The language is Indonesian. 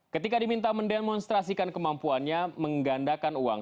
ketika diminta mendemonstrasikan kemampuannya menggandakan uang